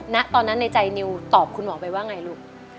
ณตอนนั้นในใจนิวตอบคุณหมอไปว่าไงลูก